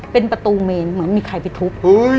เป็นประตูเมนเหมือนมีใครไปทุบ